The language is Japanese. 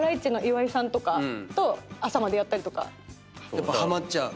やっぱハマっちゃう？